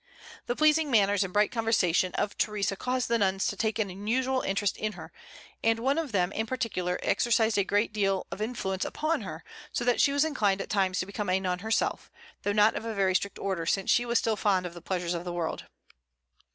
The pleasing manners and bright conversation of Theresa caused the nuns to take an unusual interest in her; and one of them in particular exercised a great influence upon her, so that she was inclined at times to become a nun herself, though not of a very strict order, since she was still fond of the pleasures of the world.